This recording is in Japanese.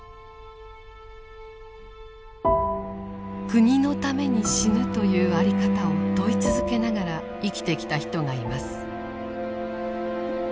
国のために死ぬという在り方を問い続けながら生きてきた人がいます。